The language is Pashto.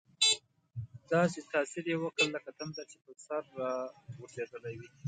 داسې تاثیر یې وکړ لکه تندر چې په سر را غورځېدلی وي.